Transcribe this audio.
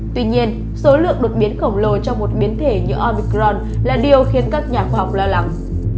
tuy nhiên số lượng đột biến khổng lồ cho một biến thể như obicron là điều khiến các nhà khoa học lo lắng